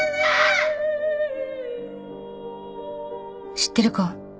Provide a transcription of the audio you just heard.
知ってるか？